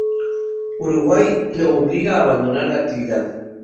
Uruguay lo obliga a abandonar la actividad.